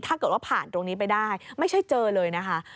ถ้าเกิดว่าผ่านตรงนี้ไปได้ไม่ใช่เจอเลยนะคะ